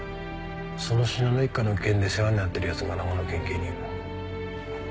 その信濃一家の件で世話になってる奴が長野県警にいる。